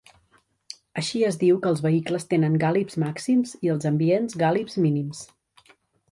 Així es diu que els vehicles tenen gàlibs màxims i els ambients gàlibs mínims.